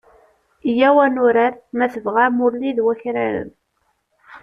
Iyyaw ad nurar, ma tebɣam, ulli d wakraren.